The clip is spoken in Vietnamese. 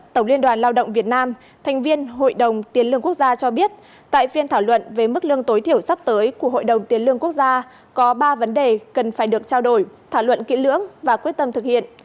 tổng liên đoàn lao động việt nam thành viên hội đồng tiền lương quốc gia cho biết tại phiên thảo luận về mức lương tối thiểu sắp tới của hội đồng tiền lương quốc gia có ba vấn đề cần phải được trao đổi thảo luận kỹ lưỡng và quyết tâm thực hiện